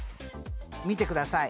見てください